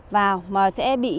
vào mà sẽ bị